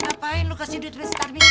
ngapain lo kasih duit dari starbiz